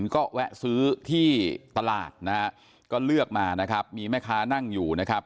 ก็แวะซื้อที่ตลาดนะฮะก็เลือกมานะครับมีแม่ค้านั่งอยู่นะครับ